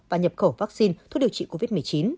và nhập khẩu vaccine thuốc điều trị covid một mươi chín